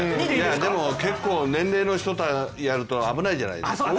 でも、結構年齢の人がやると危ないじゃないですか。